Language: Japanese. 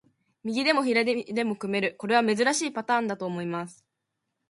右でも左でも組める、これは珍しいパターンだと思います。